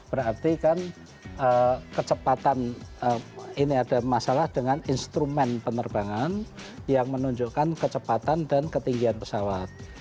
berarti kan kecepatan ini ada masalah dengan instrumen penerbangan yang menunjukkan kecepatan dan ketinggian pesawat